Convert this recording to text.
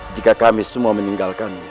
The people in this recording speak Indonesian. jika kami semua meninggalkan